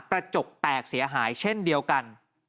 กระจกแตกเสียหายเช่นเดียวกัน